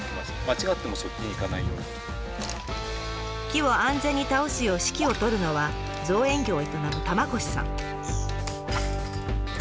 木を安全に倒すよう指揮を執るのは造園業を営む玉腰さん。